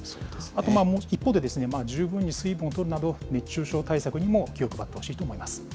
あと、一方で、十分に水分をとるなど、熱中症対策にも気を配ってほしいと思います。